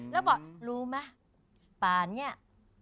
แล้วบอกรู้ไหมป่านเนี่ย